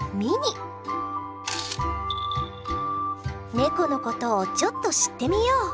猫のことをちょっと知ってみよう。